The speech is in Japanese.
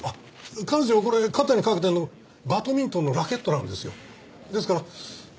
彼女がこれ肩にかけてるのバドミントンのラケットなんですよ。